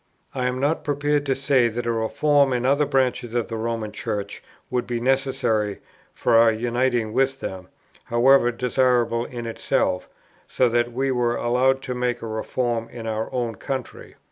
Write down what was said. I am not prepared to say that a reform in other branches of the Roman Church would be necessary for our uniting with them, however desirable in itself, so that we were allowed to make a reform in our own country.